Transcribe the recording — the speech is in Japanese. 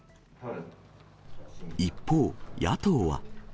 一方、野党は。